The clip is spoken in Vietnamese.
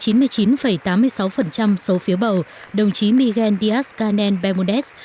trên cương vị là người kế nhiệm chủ tịch hội đồng cuba đồng chí mizen díaz canem bekmoudet